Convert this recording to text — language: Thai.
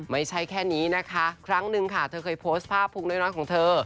ไม่ใช่แค่นี้นะคะครั้งหนึ่งค่ะเธอเคยโพสต์ภาพพุงน้อยของเธอ